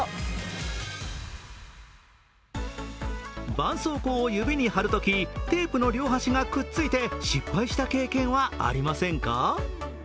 絆創膏を指に貼るとき、テープの両端がくっついて失敗した経験はありませんか？